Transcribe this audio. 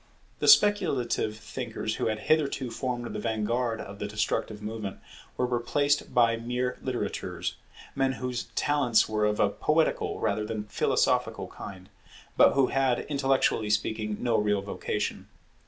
The speculative thinkers who had hitherto formed the vanguard of the destructive movement, were replaced by mere litterateurs, men whose talents were of a poetical rather than philosophical kind, but who had, intellectually speaking, no real vocation.